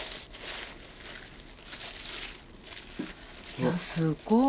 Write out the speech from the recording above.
いやすっごい。